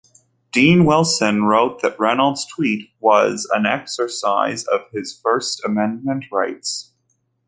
Dean Wilson wrote that Reynolds' tweet ...was an exercise of his First Amendment rights.